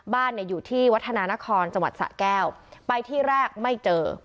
บ้านเนี่ยอยู่ที่วัฒนานครจังหวัดสะแก้วไปที่แรกไม่เจอ